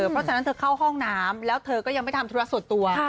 เพราะฉะนั้นเธอเข้าห้องน้ำแล้วเธอก็ยังไม่ทำธุระส่วนตัว